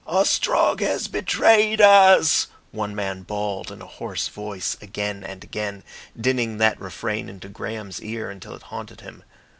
"Ostrog has betrayed us," one man bawled in a hoarse voice, again and again, dinning that refrain into Graham's ear until it haunted him.